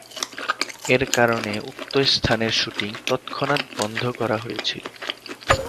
এর কারণে, উক্ত স্থানের শুটিং তৎক্ষণাৎ বন্ধ করা হয়েছিল।